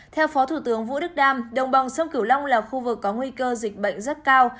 theo phó thủ tướng vũ đức đam đồng bằng sông cửu long là khu vực có nguy cơ dịch bệnh rất cao